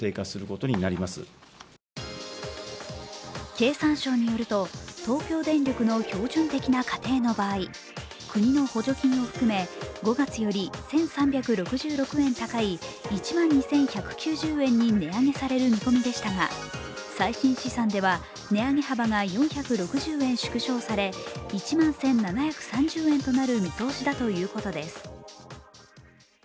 経産省によると、東京電力の標準的な家庭の場合、国の補助金を含め、５月より１３６６円高い１万２１９０円に値上げされる見込みでしたが最新試算では値上げ幅が４６０円縮小され１万１７３０円となる見通しだということです。